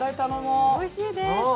おいしいです。